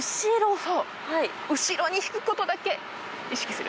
そう、後ろに引くことだけ意識する。